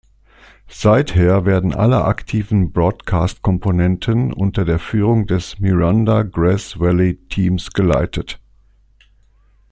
Seither werden alle aktiven Broadcast-Komponenten unter der Führung des Miranda Grass-Valley Teams geleitet.